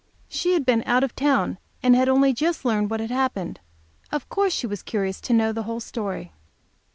She had been out of town, and had only just learned what had happened. Of course she was curious to know the whole story.